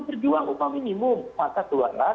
berjuang upah minimum maka itu adalah